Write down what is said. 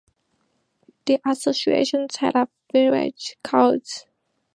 The association set up village courts.